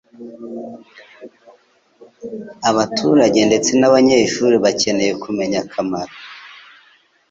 Abaturage ndetse n'abanyeshuri bakeneye kumenya akamaro